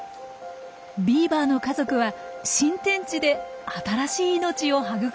ビーバーの家族は新天地で新しい命を育んでいたんです。